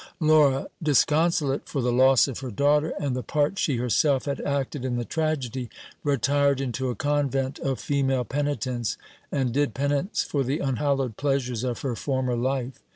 Laura, disconsolate for the loss of her daugh ter, and the part she herself had acted in the tragedy, retired into a convent of female penitents, and did penance for the unhallowed pleasures of her former life.